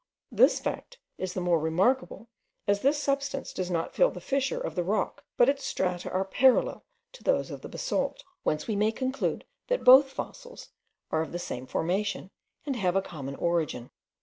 This fact is the more remarkable, as this substance does not fill the fissures of the rock, but its strata are parallel to those of the basalt; whence we may conclude that both fossils are of the same formation, and have a common origin.